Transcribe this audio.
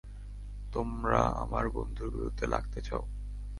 তোমরা আমার বন্ধুর বিরুদ্ধে লাগতে চাও?